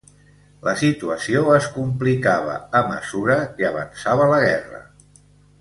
La situació es complicava a mesura que avançava la guerra.